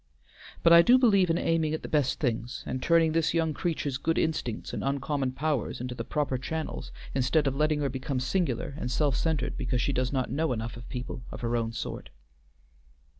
But I do believe in aiming at the best things, and turning this young creature's good instincts and uncommon powers into the proper channels instead of letting her become singular and self centred because she does not know enough of people of her own sort."